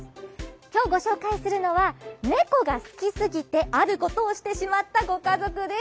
今日ご紹介するのは猫が好きすぎてあることをしてしまったおうちです。